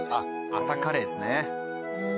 朝カレーですね。